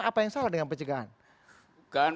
apa yang salah dengan pencegahan